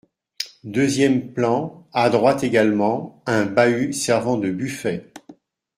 Deuxième plan, à droite également ; un bahut servant de buffet.